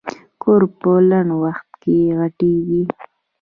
کور په لنډ وخت کې غټېږي.